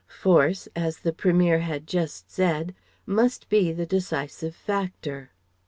Force, as the Premier had just said, must be the decisive factor.